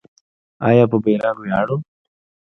آیا په بیرغ ویاړو؟